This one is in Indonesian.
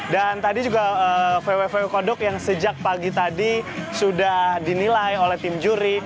dan tadi juga vwvw kodok yang sejak pagi tadi sudah dinilai oleh tim juri